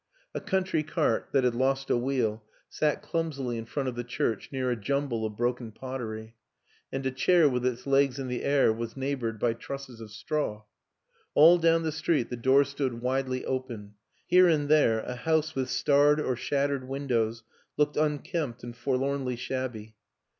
A country cart that had lost a wheel sat clumsily in front of the church near a jumble of broken pottery, and a chair with its legs in the air was neighbored by trusses of straw. All down the street the doors stood widely open here and there a house with starred or shat tered windows looked unkempt and forlornly shabby.